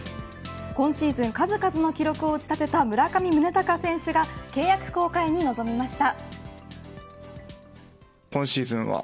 今シーズン、数々の記録を打ち立てた村上宗隆選手が契約更改に臨みました。